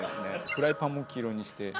フライパンも黄色にして。